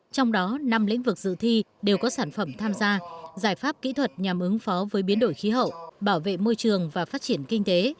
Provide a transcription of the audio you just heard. trong đó năm lĩnh vực dự thi đều có sản phẩm tham gia giải pháp kỹ thuật nhằm ứng phó với biến đổi khí hậu bảo vệ môi trường và phát triển kinh tế